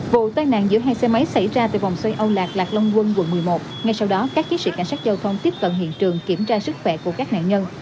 vụ tai nạn giữa hai xe máy xảy ra từ vòng xoay âu lạc lạc long quân quận một mươi một ngay sau đó các chiến sĩ cảnh sát giao thông tiếp cận hiện trường kiểm tra sức khỏe của các nạn nhân